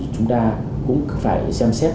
chúng ta cũng phải xem xét